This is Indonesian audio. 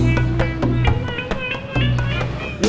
tidak ada apa apa